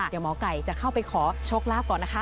เดี๋ยวหมอไก่จะเข้าไปขอโชคลาภก่อนนะคะ